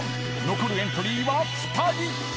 ［残るエントリーは２人］